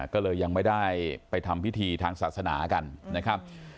ก็เลยยังไม่ได้ไปทำพิธีทางศาสนากันนะครับ